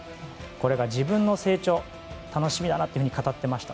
これが自分の成長楽しみだなというふうに語っていました。